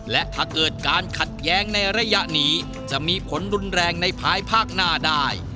และถ้าเกิดการขัดแย้งในระยะนี้จะมีผลรุนแรงในภายภาคหน้าได้